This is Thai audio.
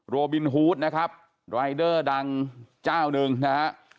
บินฮูดนะครับรายเดอร์ดังเจ้าหนึ่งนะฮะ